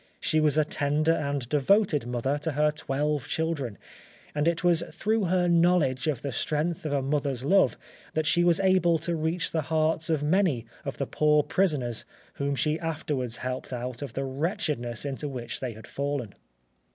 She was a tender and devoted mother to her twelve children, and it was through her knowledge of the strength of a mother's love that she was able to reach the hearts of many of the poor prisoners whom she afterwards helped out of the wretchedness into which they had fallen.